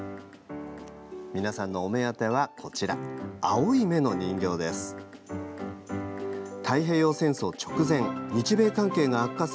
皆さんのお目当ては青い目の人形です。